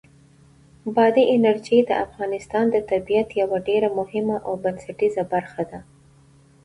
بادي انرژي د افغانستان د طبیعت یوه ډېره مهمه او بنسټیزه برخه ده.